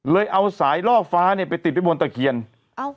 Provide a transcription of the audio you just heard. เลยเอาสายลอกฟ้าเนี่ยไปติดไปบนตะเคียนเอา